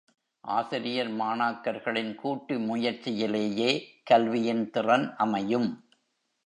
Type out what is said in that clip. ஆசிரியர் மாணாக்கர்களின் கூட்டு முயற்சியிலேயே கல்வியின் திறன் அமையும்.